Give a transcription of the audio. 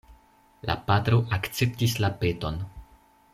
La patro akceptis la peton.